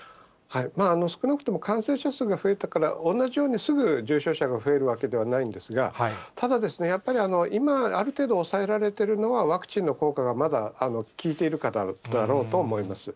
少なくとも、感染者数が増えたから同じようにすぐ重症者が増えるわけではないんですが、ただ、やっぱり今ある程度抑えられているのはワクチンの効果がまだ効いているからだろうと思います。